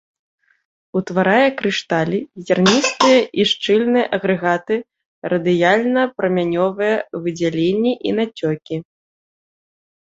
Утварае крышталі, зярністыя і шчыльныя агрэгаты, радыяльна-прамянёвыя выдзяленні і нацёкі.